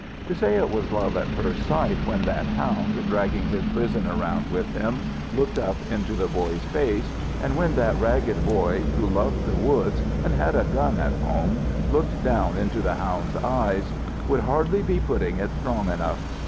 To say it was love at first sight when that hound, dragging his prison around with him, looked up into the boy's face, and when that ragged boy who loved the woods and had a gun at home looked down into the hound's eyes, would hardly be putting it strong enough.